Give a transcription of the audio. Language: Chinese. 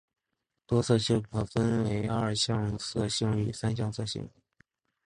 多色性可分为二向色性与三向色性。